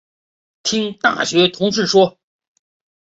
听大学同事说